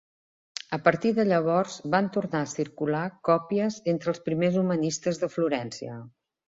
A partir de llavors van tornar a circular còpies entre els primers humanistes de Florència.